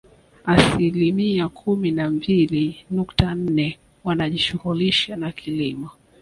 Asilimia kumi na mbili nukta nne wanajishughulisha na kilimo